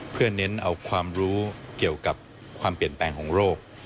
เพื่อเน้นเอาความรู้เกี่ยวกับความเปลี่ยนแปลงของโรค